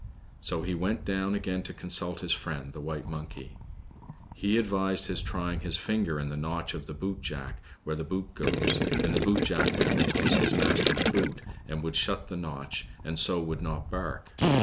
So he went down again to consult his friend, the white monkey. He advised his try ing his finger in the notch of the boot jack where the boot goes, and the boot jack would think it was his master's boot and would shut the notch, and so would not bark.